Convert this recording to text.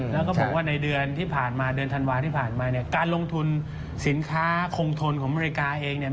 แล้วก็บอกว่าในเดือนทันวาที่ผ่านมาเนี่ยการลงทุนสินค้าโครงทนของอเมริกาเองเนี่ย